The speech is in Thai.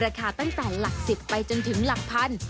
ราคาตั้งแต่หลักสิบไปจนถึงหลักพัน